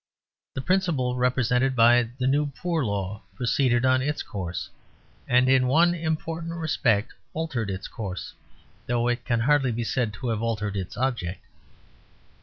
The principle represented by the New Poor Law proceeded on its course, and in one important respect altered its course, though it can hardly be said to have altered its object.